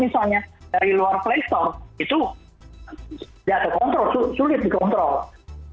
misalnya dari luar playstore itu jatuh kontrol sulit dikontrol